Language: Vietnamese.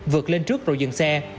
vượt lên trước rồi dừng xe